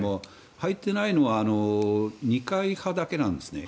入っていないのは二階派だけなんですね。